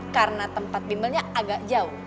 karena tempat bimbelnya agak jauh